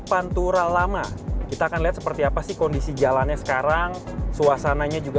pantura lama kita akan lihat seperti apa sih kondisi jalannya sekarang suasananya juga